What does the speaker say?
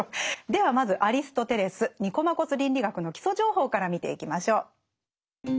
ではまずアリストテレス「ニコマコス倫理学」の基礎情報から見ていきましょう。